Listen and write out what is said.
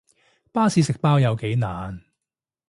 巴士食包有幾難